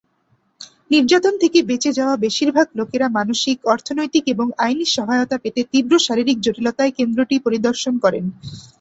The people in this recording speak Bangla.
নির্যাতন থেকে বেঁচে যাওয়া বেশিরভাগ লোকেরা মানসিক, অর্থনৈতিক এবং আইনী সহায়তা পেতে তীব্র শারীরিক জটিলতায় কেন্দ্রটি পরিদর্শন করেন।